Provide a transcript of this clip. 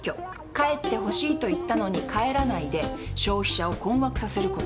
帰ってほしいと言ったのに帰らないで消費者を困惑させること。